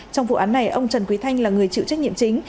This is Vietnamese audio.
trong vụ án này ông trần quý thanh là người chịu trách nhiệm chính